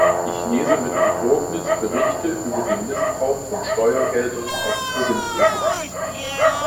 Ich lese mit Besorgnis Berichte über den Missbrauch von Steuergeldern auf Provinzebene.